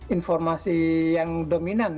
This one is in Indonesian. informasi yang dominan